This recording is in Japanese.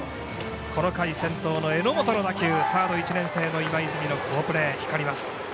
この回、先頭の榎本の打球サード１年生の今泉好プレーが光ります。